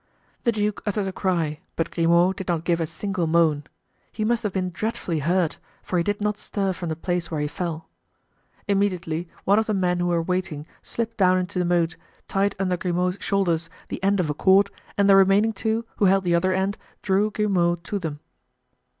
The duke uttered a cry, but Grimaud did not give a single moan. He must have been dreadfully hurt, for he did not stir from the place where he fell. Immediately one of the men who were waiting slipped down into the moat, tied under Grimaud's shoulders the end of a cord, and the remaining two, who held the other end, drew Grimaud to them.